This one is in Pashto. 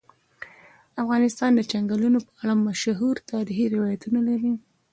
افغانستان د چنګلونه په اړه مشهور تاریخی روایتونه لري.